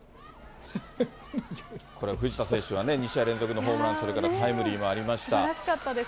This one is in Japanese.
これ、藤田選手はね、２試合連続のホームラン、それからタイムリーもありました。